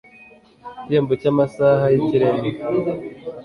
igihembo cy amasaha y ikirenga